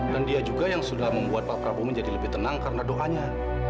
dan dia juga yang sudah membuat pak prabu menjadi lebih tenang karena doanya